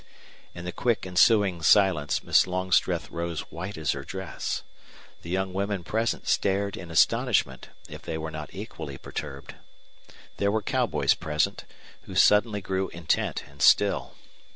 In the quick ensuing silence Miss Longstreth rose white as her dress. The young women present stared in astonishment, if they were not equally perturbed. There were cowboys present who suddenly grew intent and still.